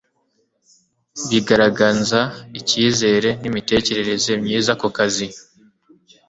bigaraganza icyizere n imitekerereze myiza ku kazi